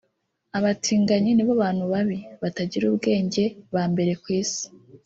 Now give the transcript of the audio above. “Abatinganyi ni bo bantu babi/batagira ubwenge ba mbere ku isi